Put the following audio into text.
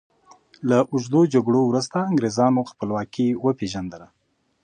له اوږدو جګړو وروسته انګریزانو خپلواکي وپيژندله.